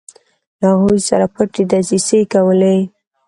له هغوی سره پټې دسیسې کولې.